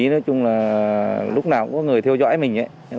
nói chung là lúc nào cũng có người theo dõi mình